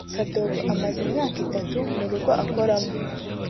Kadogo amaze imyaka itatu mu rugo akoramo